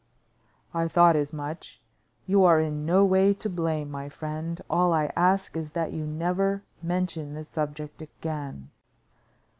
"I thought as much. You are in no way to blame, my friend; all I ask is that you never mention the subject again."